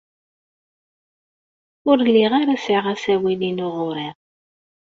Ur lliɣ ara sɛiɣ asawal-inu ɣer-i.